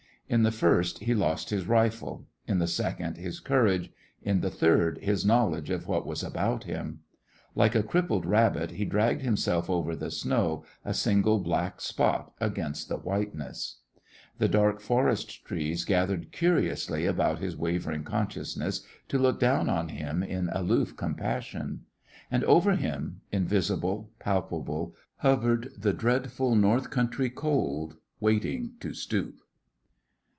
In the first he lost his rifle; in the second his courage; in the third his knowledge of what was about him. Like a crippled rabbit he dragged himself over the snow, a single black spot against the whiteness. The dark forest trees gathered curiously about his wavering consciousness to look down on him in aloof compassion. And over him, invisible, palpable, hovered the dreadful north country cold, waiting to stoop.